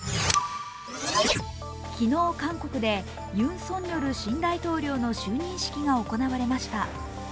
昨日、韓国でユン・ソンニョル新大統領の就任式が行われました。